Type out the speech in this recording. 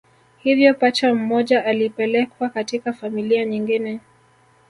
Hivyo pacha mmoja alipelekwa katika familia nyingine